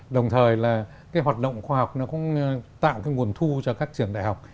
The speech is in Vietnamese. đồng thời là hoạt động khoa học nó cũng tạo nguồn thu cho các trường đại học